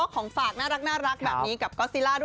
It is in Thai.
ของฝากน่ารักแบบนี้กับก็สิล่า